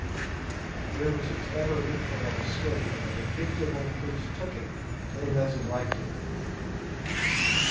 Here was a clever loophole of escape, and the vindictive old priest took it, little as he liked it.